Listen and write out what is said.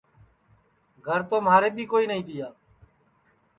گھر تو مھارے بی کوئی نائی تیا